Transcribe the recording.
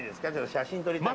写真撮りたいから。